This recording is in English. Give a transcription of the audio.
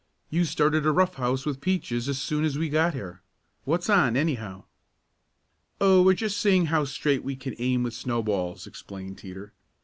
"You started a rough house with Peaches as soon as we got here. What's on, anyhow?" "Oh, we're just seeing how straight we can aim with snowballs," explained Teeter.